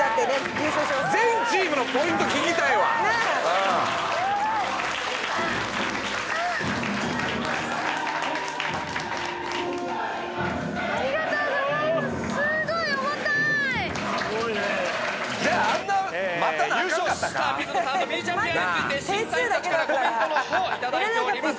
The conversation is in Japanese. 優勝した水野さんとみーちゃんペアについて審査員たちからコメントの方いただいております。